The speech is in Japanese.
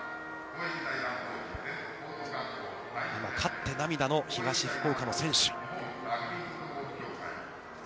今、勝って涙の東福岡の選手。